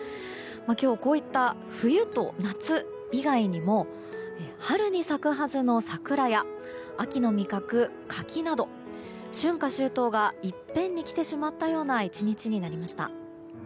今日こういった冬と夏以外にも春に咲くはずの桜や秋の味覚、柿など春夏秋冬がいっぺんに来てしまったような１日になりました。